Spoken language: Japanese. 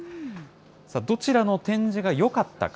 どちらの展示がよかったか。